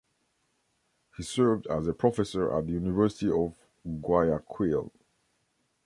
He served as a professor at the University of Guayaquil.